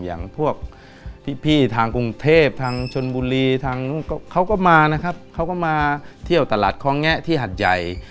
อย่างพวกพี่ทางกรุงเทพทางชนบุรีทางนู้นเขาก็มานะครับเขาก็มาเที่ยวตลาดคล้องแงะที่หัดใหญ่